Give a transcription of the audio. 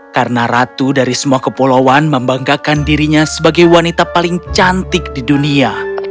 karena ratu dari semua kepulauan membanggakan dirinya sebagai wanita paling cantik di dunia